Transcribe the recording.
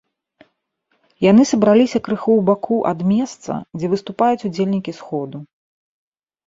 Яны сабраліся крыху ў баку ад месца, дзе выступаюць удзельнікі сходу.